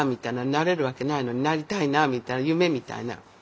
なれるわけないのになりたいなみたいな夢みたいな。